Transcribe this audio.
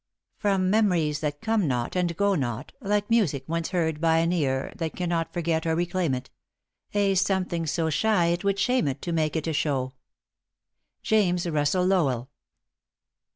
* From memories that come not and go not; Like music once heard by an ear That cannot forget or reclaim it; A something so shy it would shame it To make it a show. JAMES RUSSELL LOWELL.